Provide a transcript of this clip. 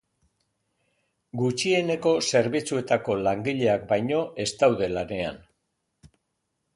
Gutxieneko zerbitzuetako langileak baino ez daude lanean.